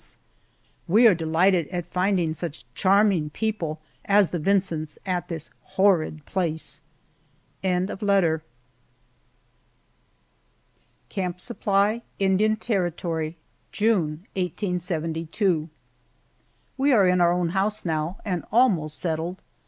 We are delighted at finding such charming people as the Vincents at this horrid place. CAMP SUPPLY, INDIAN TERRITORY, June, 1872. WE are in our own house now and almost settled.